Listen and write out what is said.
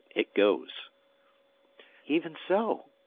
It goes." "Even so.